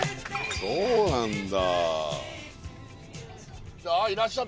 そうなんだ。